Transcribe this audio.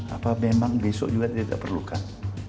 apa memang besok juga tidak perlukan